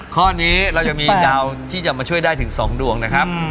ข้อนี้เราจะมีดาวน์ที่จะมาช่วยได้ถึงสองดวงนะครับอืม